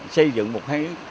xây dựng một hang yến